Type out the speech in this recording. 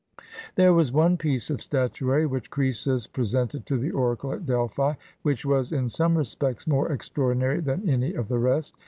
There was one piece of statuary which Croesus pre sented to the oracle at Delphi, which was, in some re spects, more extraordinary than any of the rest.